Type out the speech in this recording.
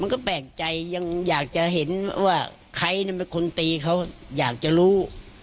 ก็แปลกใจยังอยากจะเห็นว่าใครเป็นคนตีเขาอยากจะรู้